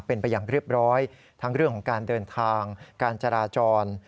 เป็นไปอย่างเรียบร้อยทั้งเรื่องของการเดินทางการจราจร